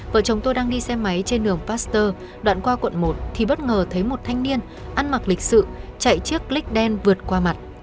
vợ chồng tôi đang đi xe máy trên đường pasteur đoạn qua quận một thì bất ngờ thấy một thanh niên ăn mặc lịch sự chạy chiếc lich đen vượt qua mặt